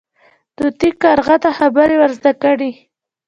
طوطي کارغه ته خبرې ور زده کړې.